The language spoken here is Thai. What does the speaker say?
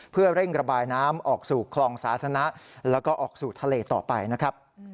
เพื่อเร่งระบายน้ำออกสู่คลองสาธารณะแล้วก็ออกสู่ทะเลต่อไปนะครับ